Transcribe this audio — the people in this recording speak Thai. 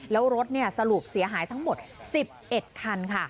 แล้วรถสรุปเสียหายทั้งหมด๑๑คันค่ะ